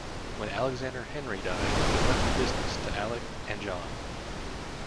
When Alexander Henry died, he left the business to Alick and John.